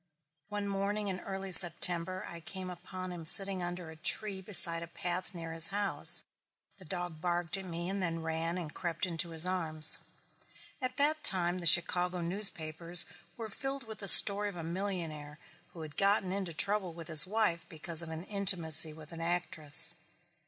One morning in early September I came upon him sitting under a tree beside a path near his house. The dog barked at me and then ran and crept into his arms. At that time the Chicago newspapers were filled with the story of a millionaire who had got into trouble with his wife because of an intimacy with an actress.